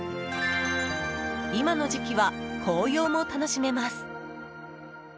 今の時期は紅葉も楽しめます。